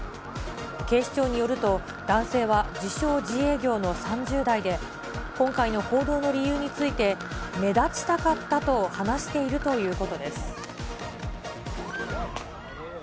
警視庁によると、男性は自称自営業の３０代で、今回の行動の理由について、目立ちたかったと話しているということです。